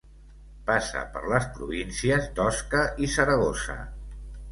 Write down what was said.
Passa per les províncies d'Osca i Saragossa.